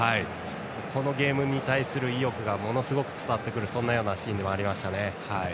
このゲームに対する意欲がものすごく伝わるそんなシーンでもありましたね。